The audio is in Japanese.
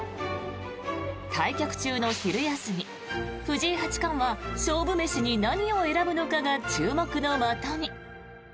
対局中の昼休み藤井八冠は勝負飯に何を選ぶのかが注目の的に。